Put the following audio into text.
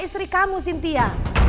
sama istri kamu sintia